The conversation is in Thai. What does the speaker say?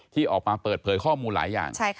ที่ออกมาเปิดเผยข้อมูลหลายอย่าง